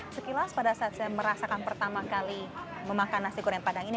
sekilas pada saat saya merasakan pertama kali memakan nasi goreng padang ini